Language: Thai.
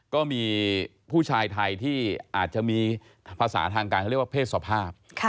ก็มีผู้ชายไทยที่อาจจะมีภาษาทางการเขาเรียกว่าเพศสภาพ